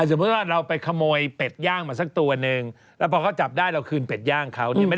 สมมุติว่าเราไปขโมยเป็ดย่างมาสักตัวนึงแล้วพอเขาจับได้เราคืนเป็ดย่างเขาเนี่ย